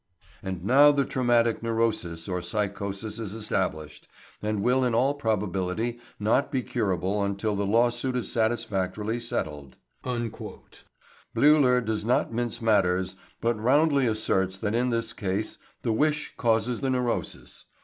And now the traumatic neurosis or psychosis is established, and will in all probability not be curable until the lawsuit is satisfactorily settled." Bleuler does not mince matters but roundly asserts that in this case the wish caused the neurosis.